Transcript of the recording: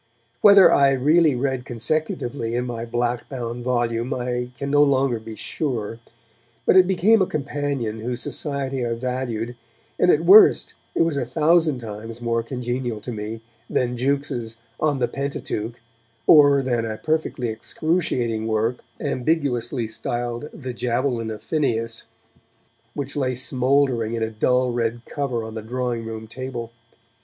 Whether I really read consecutively in my black bound volume I can no longer be sure, but it became a companion whose society I valued, and at worst it was a thousand times more congenial to me than Jukes' 'On the Pentateuch' or than a perfectly excruciating work ambiguously styled 'The Javelin of Phineas', which lay smouldering in a dull red cover on the drawing room table.